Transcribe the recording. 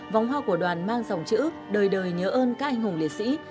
vòng hoa của đoàn mang dòng chữ đời đời nhớ ơn các anh hùng liệt sĩ